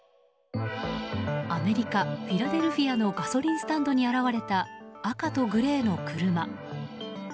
アメリカ・フィラデルフィアのガソリンスタンドに現れた赤とグレーの車。